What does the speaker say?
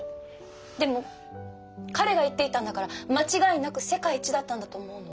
でも彼が言っていたんだから間違いなく世界一だったんだと思うの。